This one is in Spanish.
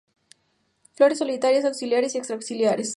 Flores solitarias, axilares o extra-axilares.